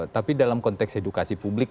tapi dalam konteks edukasi publik